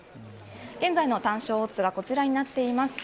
現在の単勝オッズがこちらになっています。